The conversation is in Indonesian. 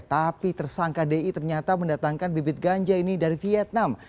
tapi tersangka di ternyata mendatangkan bibit ganja ini dari vietnam